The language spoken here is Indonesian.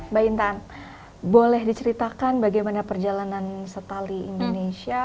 mbak intan boleh diceritakan bagaimana perjalanan setali indonesia